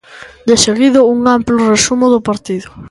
De seguido, un amplo resumo do partido